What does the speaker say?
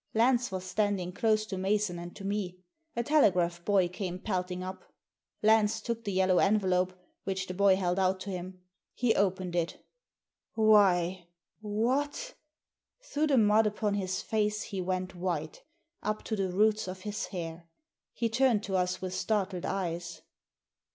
Lance was standing close to Mason and to me. A telegraph boy came pelting up. Lance took the Digitized by VjOOQIC i68 THE SEEN AND THE UNSEEN yellow envelope which the boy held out to him. He opened it " Why ! what !" Through the mud upon his face he went white, up to the roots of his hair. He turned to us with startled eyes.